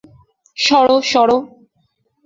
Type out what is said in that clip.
সরো, সরো!